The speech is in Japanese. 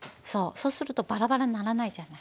そうするとバラバラにならないじゃない。